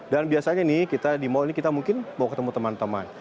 dan biasanya nih kita di mall ini kita mungkin bawa ketemu teman teman